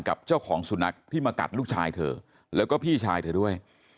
กับเจ้าของสุนัขที่มากัดลูกชายเธอแล้วก็พี่ชายเธอด้วย